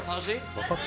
よかった。